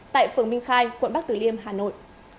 tại phường minh khai quận bắc tử liêm hà nội